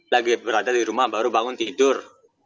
lagi berada di rumah baru bangun tidur